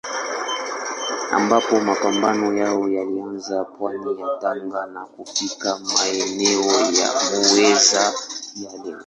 Ambapo mapambano yao yalianza pwani ya Tanga na kufika maeneo ya Muheza ya leo.